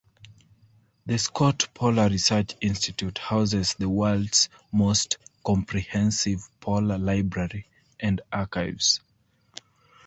The Scott Polar Research Institute houses the world's most comprehensive polar library and archives.